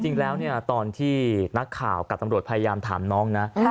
จริงแล้วเนี่ยตอนที่นักข่าวกับตำรวจพยายามถามน้องนะ